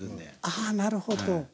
ああなるほど。